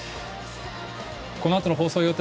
このあとの放送予定